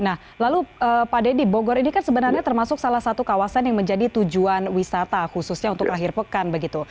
nah lalu pak deddy bogor ini kan sebenarnya termasuk salah satu kawasan yang menjadi tujuan wisata khususnya untuk akhir pekan begitu